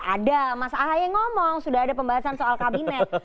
ada mas ahaye ngomong sudah ada pembahasan soal kabinet